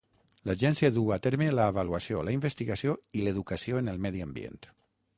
L'agència duu a terme l'avaluació, la investigació i l'educació en el medi ambient.